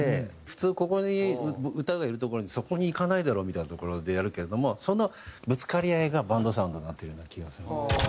普通ここに歌がいるところにそこにいかないだろうみたいなところでやるけれどもそのぶつかり合いがバンドサウンドになっているような気がするんですよ。